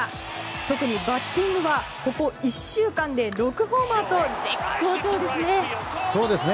特にバッティングはここ１週間で６ホーマーと絶好調ですね。